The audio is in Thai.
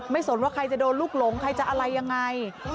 สนว่าใครจะโดนลูกหลงใครจะอะไรยังไง